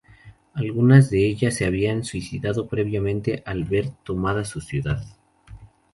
Algunas de ellas se habían suicidado previamente al ver tomada su ciudad.